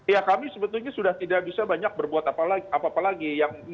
ya kami sebetulnya sudah tidak bisa banyak berbuat apa apa lagi